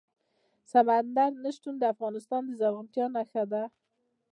سمندر نه شتون د افغانستان د زرغونتیا نښه ده.